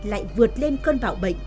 lại vượt lên cơn bạo bệnh